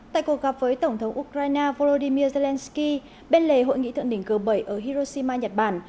tại cuộc gặp với tổng thống ukraine volodymyr zelensky bên lề hội nghị thượng đỉnh g bảy ở hiroshima nhật bản